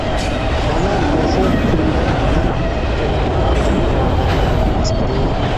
مانا مۇشۇ كۈنلەر مەن كۈتكەن راھەت-پاراغەت ئەمەسمىدى؟ !